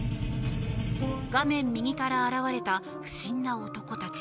画面右から現れた不審な男たち。